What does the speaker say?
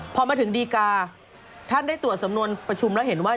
พอมาถึงดีกาท่านได้ตรวจสำนวนประชุมแล้วเห็นว่า